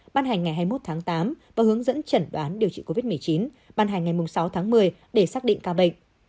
ban hành ngày hai mươi một tháng tám và hướng dẫn chẩn đoán điều trị covid một mươi chín ban hành ngày sáu tháng một mươi để xác định ca bệnh